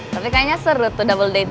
tapi kayaknya seru tuh double date